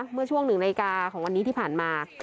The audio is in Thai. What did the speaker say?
เมื่อช่วง๑นาฬิกาของวันนี้ที่ผ่านมา